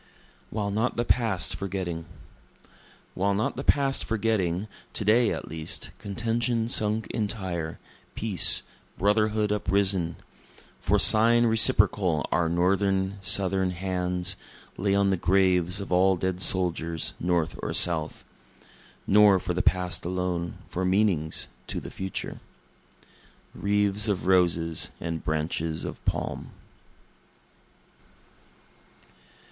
While Not the Past Forgetting While not the past forgetting, To day, at least, contention sunk entire peace, brotherhood uprisen; For sign reciprocal our Northern, Southern hands, Lay on the graves of all dead soldiers, North or South, (Nor for the past alone for meanings to the future,) Wreaths of roses and branches of palm.